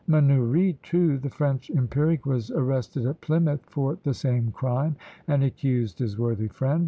Manoury, too, the French empiric, was arrested at Plymouth for the same crime, and accused his worthy friend.